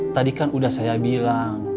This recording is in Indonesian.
tadi kan udah saya bilang